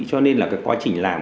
cho nên là cái quá trình làm